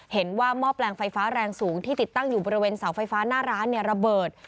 หม้อแปลงไฟฟ้าแรงสูงที่ติดตั้งอยู่บริเวณเสาไฟฟ้าหน้าร้านระเบิด